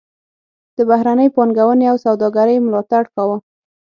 د بهرنۍ پانګونې او سوداګرۍ ملاتړ کاوه.